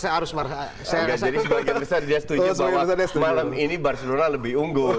jadi sebagian besar dia setuju bahwa malam ini barcelona lebih unggul